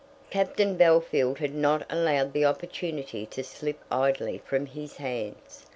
Captain Bellfield had not allowed the opportunity to slip idly from his hands.